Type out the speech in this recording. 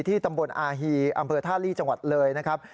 ตำบลอาฮีอำเภอท่าลีจังหวัดเลยนะครับ